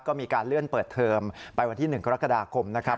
ก็มีการเลื่อนเปิดเทอมไปวันที่๑กรกฎาคมนะครับ